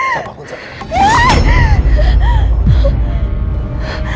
siapa pun siapa